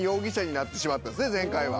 前回は。